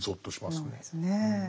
そうですねえ。